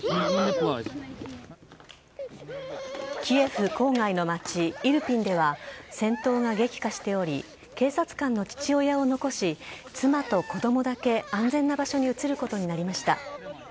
キエフ郊外の街、イルピンでは、戦闘が激化しており、警察官の父親を残し、妻と子どもだけ、安全な場所に移ることになりました。